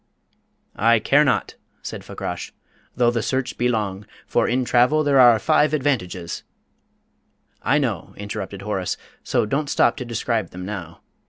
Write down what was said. "I care not," said Fakrash, "though the search be long, for in travel there are five advantages " "I know," interrupted Horace, "so don't stop to describe them now.